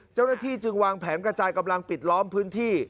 เจ้าหน้าที่จึงวางแผนกระจายกำลังปิดล้อมพื้นที่